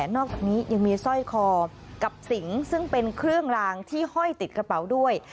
นอกจากนี้ยังมีสร้อยคอกับสิงซึ่งเป็นเครื่องรางที่ห้อยติดกระเป๋าด้วย